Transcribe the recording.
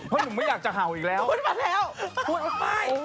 เพราะหนุ่มไม่อยากจะเห่าอีกแล้วพูดมาแล้ว